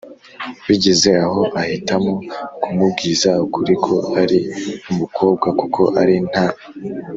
bigeze aho ahitamo kumubwiza ukuri ko ari umukobwa kuko ari nta